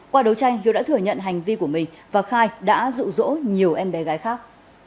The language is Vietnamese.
qua đấu tranh hiếu đã thừa nhận hành vi của mình và khai đã rụ rỗ nhiều em bé gái khác